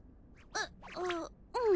あっうん。